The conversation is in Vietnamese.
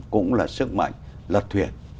cũng là sức mạnh lật thuyền